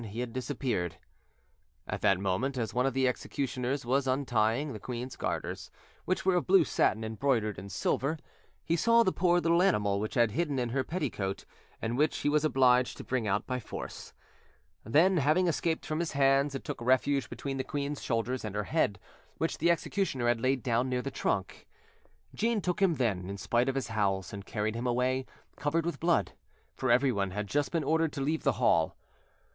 He had disappeared. At that moment, as one of the executioners was untying the queen's garters, which were of blue satin embroidered in silver, he saw the poor little animal, which had hidden in her petticoat, and which he was obliged to bring out by force; then, having escaped from his hands, it took refuge between the queen's shoulders and her head, which the executioner had laid down near the trunk. Jeanne took him then, in spite of his howls, and carried him away, covered with blood; for everyone had just been ordered to leave the hall.